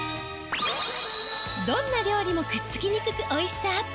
どんな料理もくっつきにくく美味しさアップ。